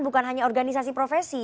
bukan hanya organisasi profesi